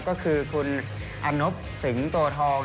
เรามาอยู่กันที่โชมบุรีสเตรเดียม